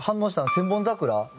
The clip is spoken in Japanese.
『千本桜』